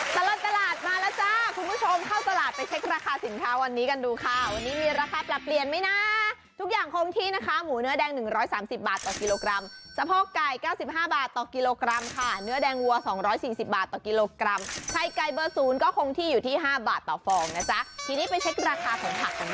ตลอดตลาดมาแล้วจ้าคุณผู้ชมเข้าตลาดไปเช็คราคาสินค้าวันนี้กันดูค่ะวันนี้มีราคาปรับเปลี่ยนไหมนะทุกอย่างคงที่นะคะหมูเนื้อแดง๑๓๐บาทต่อกิโลกรัมสะโพกไก่เก้าสิบห้าบาทต่อกิโลกรัมค่ะเนื้อแดงวัว๒๔๐บาทต่อกิโลกรัมไข่ไก่เบอร์ศูนย์ก็คงที่อยู่ที่ห้าบาทต่อฟองนะจ๊ะทีนี้ไปเช็คราคาของผักกันบ้าง